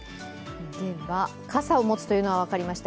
傘を持つというのは分かりました。